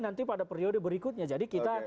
nanti pada periode berikutnya jadi kita